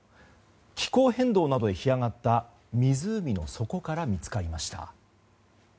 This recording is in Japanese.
気候変動などで干上がった湖の底から見つかりました。